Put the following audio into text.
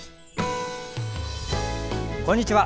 こんにちは。